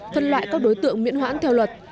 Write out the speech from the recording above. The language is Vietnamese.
phân loại các đối tượng miễn hoãn theo luật